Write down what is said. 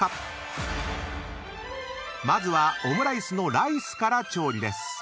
［まずはオムライスのライスから調理です］